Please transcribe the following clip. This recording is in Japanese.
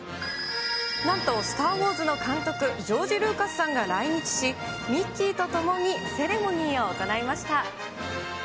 なんと、スター・ウォーズの監督、ジョージ・ルーカスさんが来日し、ミッキーと共にセレモニーを行いました。